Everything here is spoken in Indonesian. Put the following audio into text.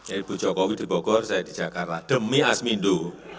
ibu jokowi di bogor saya di jakarta demi asmindo